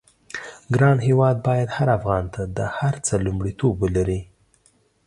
ګران هېواد بايد هر افغان ته د هر څه لومړيتوب ولري.